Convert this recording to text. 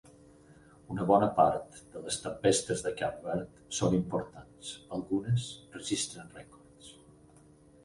Una bona part de les tempestes de Cap Verd són importants, algunes registren rècords.